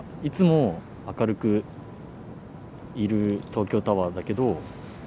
いつも明るくいる東京タワーだけど。